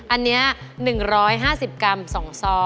อันนี้๑๕๐กรัม๒ซอง